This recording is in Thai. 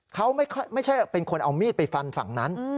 เขาไม่ใช่เป็นคนเอามีดไปฟันฝั่งนั้น